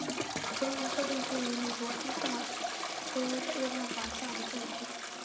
格兰特镇区为美国堪萨斯州渥太华县辖下的镇区。